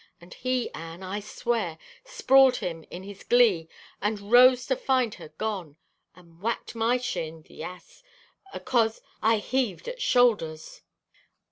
And he, Anne, I swear, sprawled him in his glee and rose to find her gone. And whacked my shin, the ass, acause I heaved at shoulders."